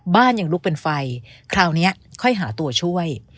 บ้านยังลุกเป็นไฟคราวนี้ค่อยหาตัวช่วย